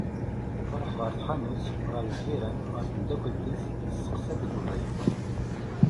Tṛuḥ ɣer tḥanut, ɣer ljiran, ɣer tmeddakelt-is, testeqsa deg ubrid…